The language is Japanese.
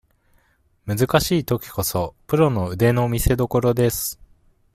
むずかしいときこそ、プロの腕の見せ所です。